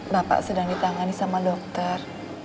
bapak sedang ditangani sama dokter